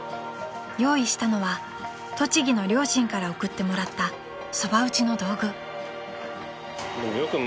［用意したのは栃木の両親からおくってもらったそば打ちの道具］